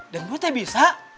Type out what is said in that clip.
dan gue tuh bisa